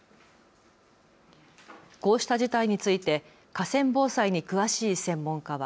こうした事態について河川防災に詳しい専門家は。